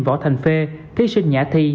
võ thành phê thí sinh nhã thi